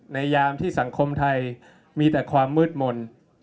ยามที่สังคมไทยมีแต่ความมืดมนต์